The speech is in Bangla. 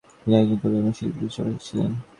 তিনি একজন কবি এবং শিল্পের পৃষ্ঠপোষক ছিলেন।